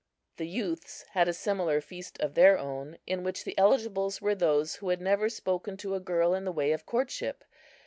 The youths had a similar feast of their own, in which the eligibles were those who had never spoken to a girl in the way of courtship.